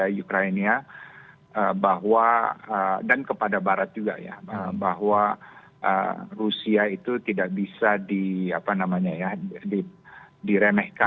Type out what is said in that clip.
kepada ukraina bahwa dan kepada barat juga ya bahwa rusia itu tidak bisa di apa namanya ya diremehkan